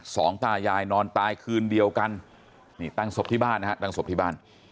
สองตายายนอนตายคืนเดียวกันนี่ตั้งศพที่บ้านนะฮะ